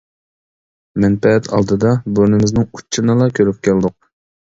مەنپەئەت ئالدىدا بۇرنىمىزنىڭ ئۇچىنىلا كۆرۈپ كەلدۇق.